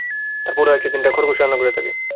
তার পোলার আছে তিনটা খরগোশ রান্নাঘরে থাকে।